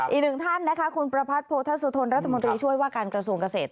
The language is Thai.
อีกหนึ่งท่านนะคะคุณประพัทธสุธนรัฐมนตรีช่วยว่าการกระทรวงเกษตร